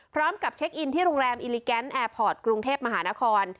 พร้อมกับเช็คอินที่โรงแรมอิลิแกนแอร์พอร์ตกรุงเทพมหานคร